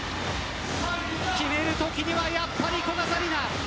決めるときにはやっぱり古賀紗理那。